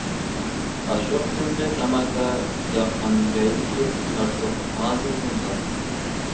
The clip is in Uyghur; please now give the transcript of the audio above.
ئاشۇ قېتىمقى تاماكا ياققان جايدىكى تارتۇق ھازىرمۇ بار.